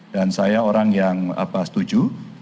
dan saya orang yang setuju